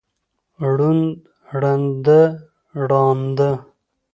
ړوند، ړنده، ړانده